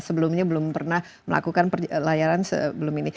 sebelumnya belum pernah melakukan layaran sebelum ini